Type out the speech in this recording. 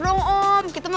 kenapa lo begitu letih